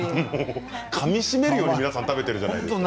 かみしめるように皆さん食べているじゃないですか。